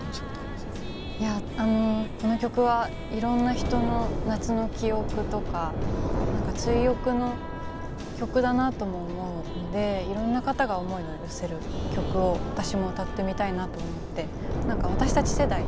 この曲はいろんな人の夏の記憶とか何か追憶の曲だなとも思うのでいろんな方が思いを寄せる曲を私も歌ってみたいなと思って何か私たち世代